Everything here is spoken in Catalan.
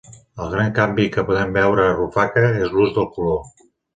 El gran canvi que podem veure a Rufaca és l’ús del color.